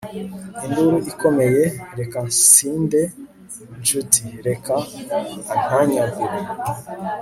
induru ikomeye! reka nsinde, nshuti; reka antanyagure